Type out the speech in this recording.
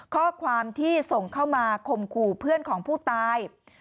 ข้อความที่ส่งเข้ามาข่มขู่เพื่อนของผู้ตาย